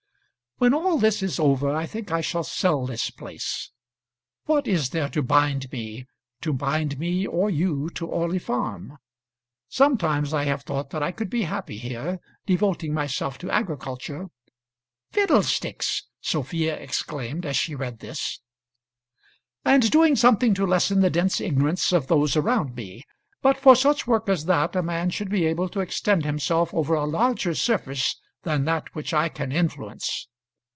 When all this is over, I think I shall sell this place. What is there to bind me, to bind me or you to Orley Farm? Sometimes I have thought that I could be happy here, devoting myself to agriculture, "Fiddlesticks!" Sophia exclaimed, as she read this, and doing something to lessen the dense ignorance of those around me; but for such work as that a man should be able to extend himself over a larger surface than that which I can influence.